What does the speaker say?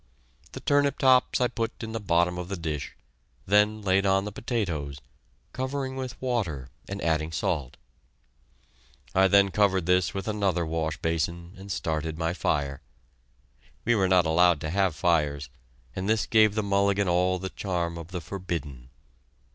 The turnip tops I put in the bottom of the dish, then laid on the potatoes, covering with water and adding salt. I then covered this with another wash basin, and started my fire. We were not allowed to have fires, and this gave the mulligan all the charm of the forbidden.